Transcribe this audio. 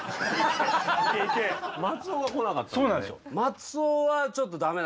松尾が来なかったんだね。